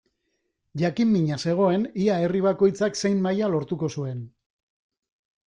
Jakin-mina zegoen ea herri bakoitzak zein maila lortuko zuen.